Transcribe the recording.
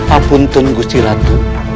apunten gusti ratu